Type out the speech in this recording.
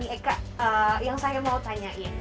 eka yang saya mau tanyain